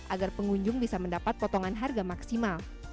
agar pengunjung bisa mendapat potongan harga maksimal